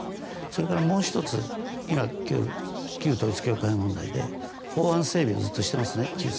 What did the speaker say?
それからもう１つ旧統一教会問題で法案整備ずっとしてますね。